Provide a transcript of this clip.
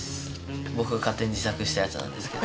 僕が勝手に自作したやつなんですけど。